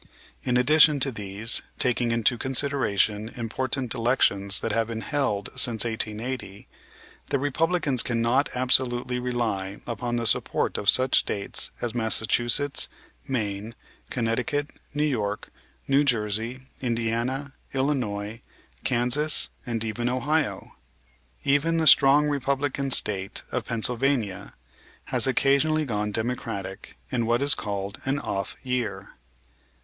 In addition to these, taking into consideration important elections that have been held since 1880, the Republicans cannot absolutely rely upon the support of such States as Massachusetts, Maine, Connecticut, New York, New Jersey, Indiana, Illinois, Kansas, and even Ohio. Even the strong Republican State of Pennsylvania has occasionally gone Democratic in what is called an "off year."